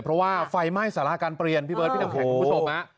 เพราะว่าไฟไหม้สาราการเปลี่ยนพี่เบิร์ดพี่น้ำแข็งคุณผู้ชมฮะ